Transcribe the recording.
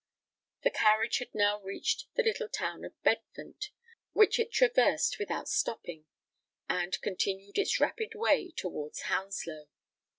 The carriage had now reached the little town of Bedfont, which it traversed without stopping; and continued its rapid way towards Hounslow.